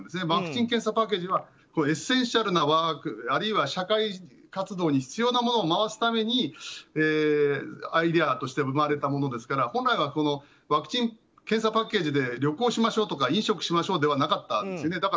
ワクチン・検査パッケージはエッセンシャルワーカーあるいは社会活動に必要なものを回すためにアイデアとして生まれたものですから本来はワクチン・検査パッケージで旅行をしましょうとか飲食をしましょうではなかったんですね。